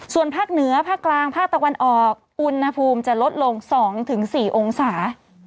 ส่วนภาคเหนือภาคกลางภาคตะวันออกอุณหภูมิจะลดลง๒๔องศา